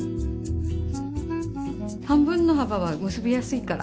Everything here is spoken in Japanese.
半分の幅は結びやすいから。